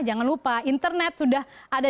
jangan lupa internet sudah ada